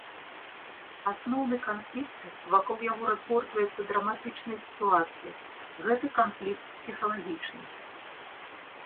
Асноўны канфлікт, вакол яго разгортваецца драматычная сітуацыя, гэта канфлікт псіхалагічны.